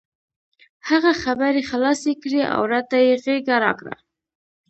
هغه خبرې خلاصې کړې او راته یې غېږه راکړه.